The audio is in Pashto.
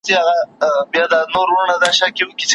د زمري په اندېښنې وو پوهېدلی